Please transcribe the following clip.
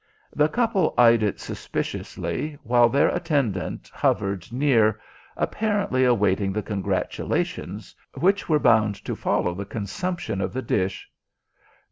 The couple eyed it suspiciously while their attendant hovered near, apparently awaiting the congratulations which were bound to follow the consumption of the dish.